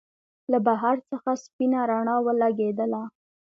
له بهر څخه سپينه رڼا ولګېدله.